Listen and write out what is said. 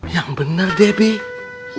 yang benar debbie